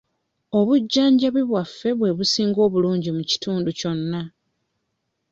Obujjanjabi bwaffe bwe businga obulungi mu kitundu kyonna.